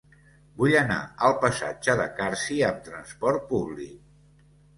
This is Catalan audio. Vull anar al passatge de Carsi amb trasport públic.